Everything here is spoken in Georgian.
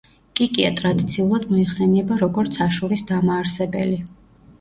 კიკია ტრადიციულად მოიხსენიება როგორც აშურის დამაარსებელი.